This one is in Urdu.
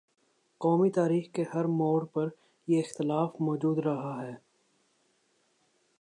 قومی تاریخ کے ہر موڑ پر یہ اختلاف مو جود رہا ہے۔